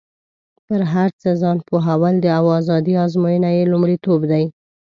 په هر څه ځان پوهول او ازادي ازموینه یې لومړیتوب دی.